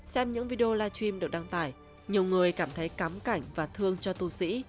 xem những video live stream được đăng tải nhiều người cảm thấy cắm cảnh và thương cho tù sĩ